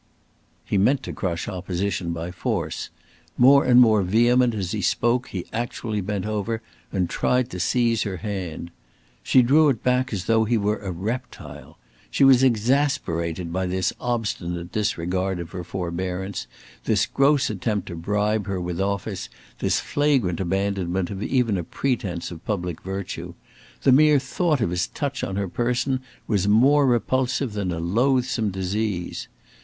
He meant to crush opposition by force. More and more vehement as he spoke he actually bent over and tried to seize her hand. She drew it back as though he were a reptile. She was exasperated by this obstinate disregard of her forbearance, this gross attempt to bribe her with office, this flagrant abandonment of even a pretence of public virtue; the mere thought of his touch on her person was more repulsive than a loathsome disease.